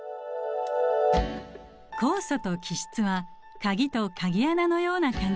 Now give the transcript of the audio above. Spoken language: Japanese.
酵素と基質は鍵と鍵穴のような関係です。